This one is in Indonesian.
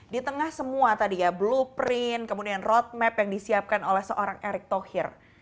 di tengah semua tadi ya blueprint kemudian roadmap yang disiapkan oleh seorang erick thohir